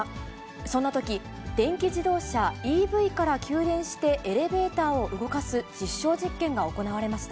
そんなとき、電気自動車・ＥＶから給電してエレベーターを動かす実証実験が行われました。